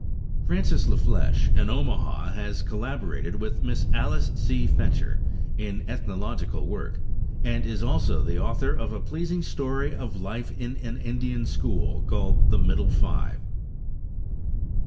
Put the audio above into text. Francis La Flesche, an Omaha, has collaborated with Miss Alice C. Fetcher in ethnological work, and is also the author of a pleasing story of life in an Indian school called "The Middle Five."